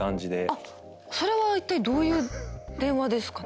あっそれは一体どういう電話ですかね？